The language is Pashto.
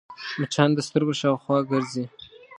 مچان د سترګو شاوخوا ګرځي